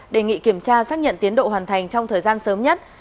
đề nghị kiểm tra xác nhận tiến độ hoàn thành trong thời gian sớm nhất